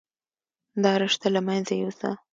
دا رشته له منځه يوسه.